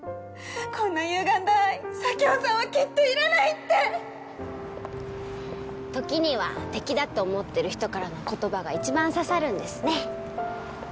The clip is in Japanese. こんなゆがんだ愛佐京さんはきっといらないって時には敵だと思ってる人からの言葉が一番刺さるんですね